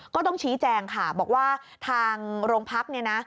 ก็ต้องชี้แจงค่ะบอกว่าทางโรงพักเนี่ยนะ